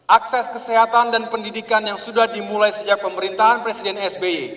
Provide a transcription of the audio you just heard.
akses kesehatan dan pendidikan yang sudah dimulai sejak pemerintahan presiden sby